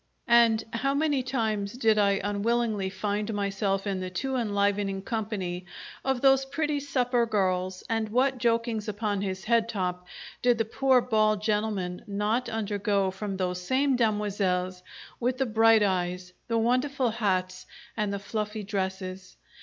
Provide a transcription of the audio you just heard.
And how many times did I unwillingly find myself in the too enlivening company of those pretty supper girls, and what jokings upon his head top did the poor bald gentleman not undergo from those same demoiselles with the bright eyes, the wonderful hats, and the fluffy dresses!